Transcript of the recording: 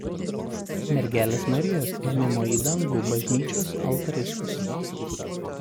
Mergelės Marijos Ėmimo į dangų bažnyčios altaristas.